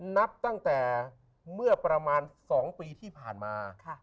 นับตั้งแต่เมื่อประมาณ๒ปีที่ผ่านมา